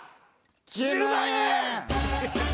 １０万円！